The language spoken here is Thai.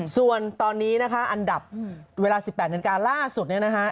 ส่วนตอนนี้นะคะอันดับเวลา๑๘นาฬิกาล่าสุดเนี่ยนะคะ